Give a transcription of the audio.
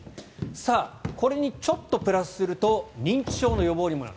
さあこれにちょっとプラスすると認知症の予防にもなる。